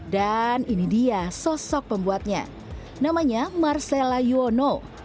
dan ini dia sosok pembuatnya namanya marcella yuono